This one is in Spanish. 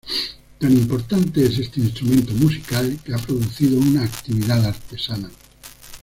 Tan importante es este instrumento musical que ha producido una actividad artesana.